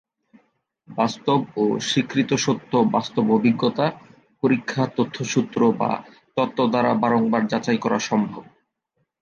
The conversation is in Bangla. বাস্তব ও স্বীকৃত সত্য বাস্তব অভিজ্ঞতা, পরীক্ষা, তথ্যসূত্র বা তত্ত্ব দ্বারা বারংবার যাচাই করা সম্ভব।